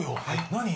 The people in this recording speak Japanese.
何？